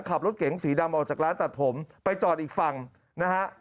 ขับรถเก๋งสีดำออกจากร้านตัดผมไปจอดอีกฝั่งนะฮะ